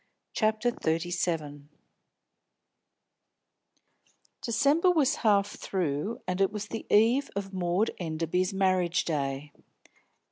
CHAPTER XXXVII FORBIDDEN December was half through, and it was the eve of Maud Enderby's marriage day.